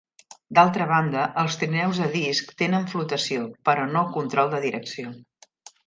D'altra banda, els trineus de disc tenen flotació, però no control de direcció.